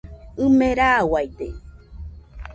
ɨme rauaide.